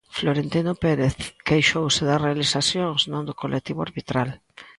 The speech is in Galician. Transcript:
Florentino Pérez queixouse das realizacións, non do colectivo arbitral.